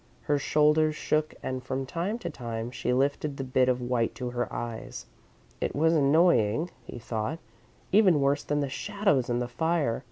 Her shoulders shook and from time to time she lifted the bit of white to her eyes. It was annoying, he thought; even worse than the shadows and the fire.